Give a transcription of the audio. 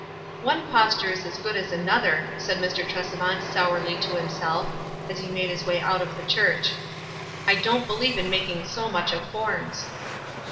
" One posture is as good as another," said Mr. Tresevant sourly to himself, as he made his way out of the church. "I don't believe in making so much of forms."